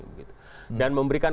dan memberikan kesempatan